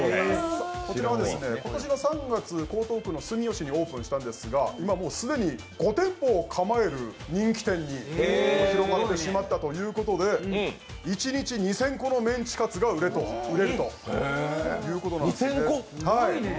こちらは今年３月、江東区の住吉にオープンしたんですが今もう既に５店舗を構える人気店に広がってしまったということで１日２０００個のメンチカツが売れるということです。